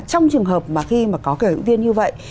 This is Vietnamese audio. trong trường hợp mà khi mà có kẻ ưu tiên như vậy